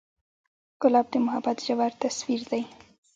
ګلاب د محبت ژور تصویر دی.